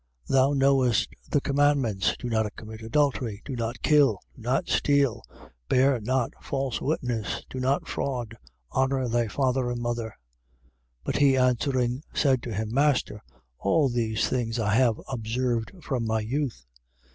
10:19. Thou knowest the commandments: Do not commit adultery, do not kill, do not steal, bear not false witness, do no fraud, honour thy father and mother. 10:20. But he answering, said to him: Master, all these things I have observed from my youth.